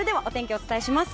お伝えします。